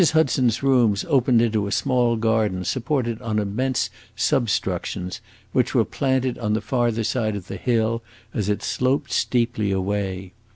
Hudson's rooms opened into a small garden supported on immense substructions, which were planted on the farther side of the hill, as it sloped steeply away.